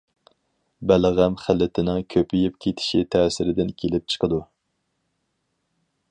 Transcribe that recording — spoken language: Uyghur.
بەلغەم خىلىتىنىڭ كۆپىيىپ كېتىشى تەسىرىدىن كېلىپ چىقىدۇ.